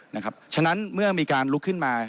เพราะฉะนั้นเมื่อมีการลุกขึ้นมา